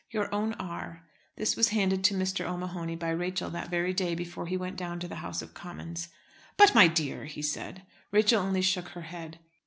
Your own R." This was handed to Mr. O'Mahony by Rachel that very day before he went down to the House of Commons. "But, my dear!" he said. Rachel only shook her head.